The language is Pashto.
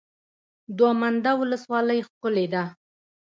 دوه منده ولسوالۍ ښکلې ده؟